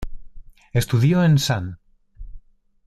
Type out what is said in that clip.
Estudió en St.